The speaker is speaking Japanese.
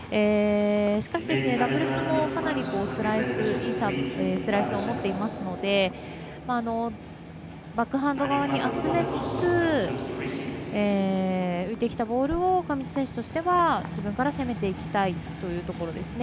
しかし、かなりいいスライスを持っているのでバックハンド側に集めつつ浮いてきたボールを上地選手としては自分から攻めていきたいところですね。